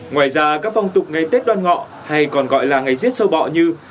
ngoài ra các phong tục ngày tết đoan ngọ hay còn gọi là ngày giết sâu bọ như